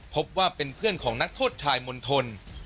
พบว่าเป็นเพื่อนของนักโทษชายมณฑล